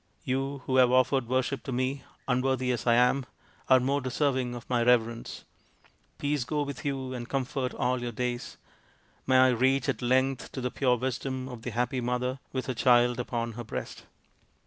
You who have offered worship to me, un worthy as I am, are more deserving of my reverence. Peace go with you and comfort all your days. May I reach at length to the pure wisdom of the happy mother with her child upon her breast."